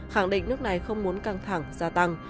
khẳng định nước này không muốn căng thẳng gia tăng